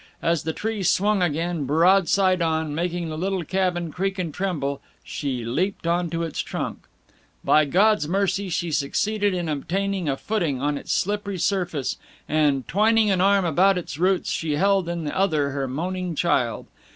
As the tree swung again, broadside on, making the little cabin creak and tremble, she leaped on to its trunk. By God's mercy she succeeded in obtaining a footing on its slippery surface, and, twining an arm about its roots, she held in the other her moaning child.